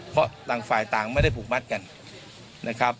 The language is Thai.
เพราะต่างฝ่ายต่างไม่ได้ผูกมัดกันนะครับ